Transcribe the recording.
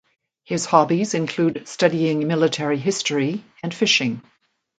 His hobbies include studying military history and fishing.